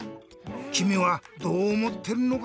きみはどうおもってるのかな？